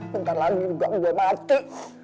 bentar lagi juga udah mati